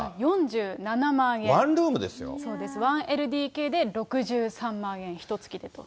そうです、１ＬＤＫで６３万円、ひとつきでと。